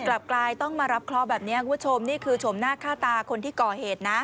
กลับกลายต้องมารับเคราะห์แบบนี้คุณผู้ชมนี่คือชมหน้าค่าตาคนที่ก่อเหตุนะ